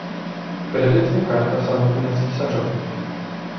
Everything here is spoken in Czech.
Kreditní karta samotné císařovny.